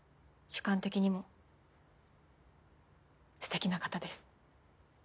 主観的にも素敵な方です。